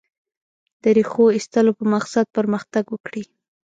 د ریښو ایستلو په مقصد پرمختګ وکړي.